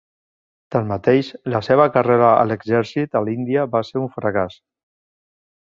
Tanmateix, la seva carrera a l'exèrcit a l'Índia va ser un fracàs.